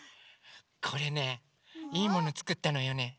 これねいいものつくったのよね。